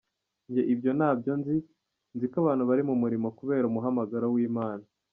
Njye ibyo ntabyo nzi, nziko abantu bari mu murimo kubera umuhamagaro w’Imana.